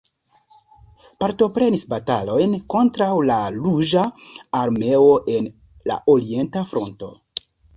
Partoprenis batalojn kontraŭ la Ruĝa Armeo en la orienta fronto.